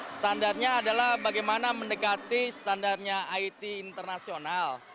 standarnya adalah bagaimana mendekati standarnya it internasional